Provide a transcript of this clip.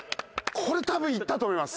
これ多分いったと思います。